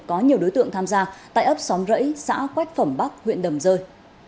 có nhiều đối tượng tham gia tại ấp xóm rẫy xã quách phẩm bắc huyện đầm rơi